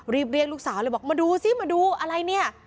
รีบเรียกลูกสาวเลยบอกมาดูสิมาดูอะไรเนี่ย